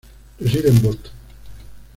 Reside en Boston.